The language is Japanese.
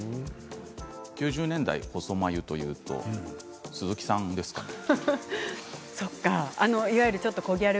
９０年代の細眉というと鈴木さんですね。